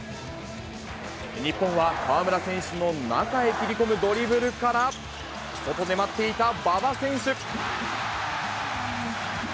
日本は河村選手の中へ切り込むドリブルから、外で待っていた馬場選手。